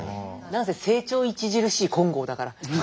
何せ「成長著しい金剛」だから。